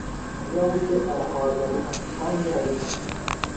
umunyabute arahwaganya ati “hanze hari intare